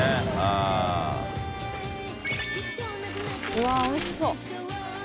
うわぁおいしそう。